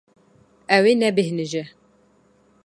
Ew ê nebêhnije.